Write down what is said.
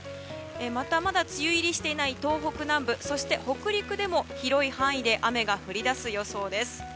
またまだ梅雨入りしていない東北南部そして北陸でも広い範囲で雨が降り出す予想です。